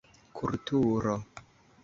Kulturo: